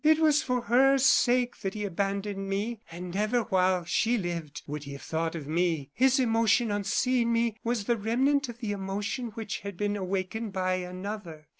It was for her sake that he abandoned me; and never, while she lived, would he have thought of me. His emotion on seeing me was the remnant of the emotion which had been awakened by another.